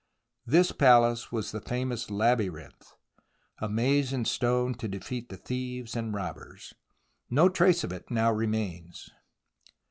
This palace was the famous Labyrinth, a maze in stone to defeat thieves and robbers. No trace of it now remains.